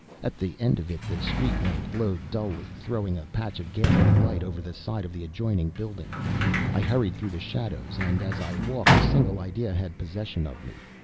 At the end of it, the street lamp glowed dully, throwing a patch of ghastly light over the side of the adjoining building. I hurried through the shadows, and as I walked, a single idea had possession of me.